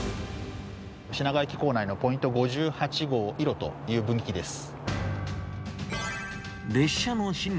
品川駅構内のポイント５８号イロという分岐器です。